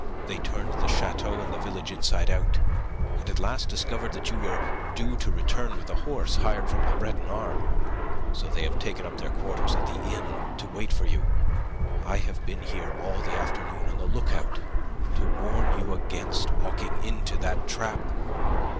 They turned the chateau and the village inside out, and at last discovered that you were due to return with a horse hired from the Breton arme. So they have taken up their quarters at the inn to wait for you. I have been here all the afternoon on the lookout to warn you against walking into that trap."